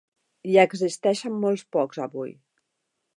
Hi existeixen molts pocs avui.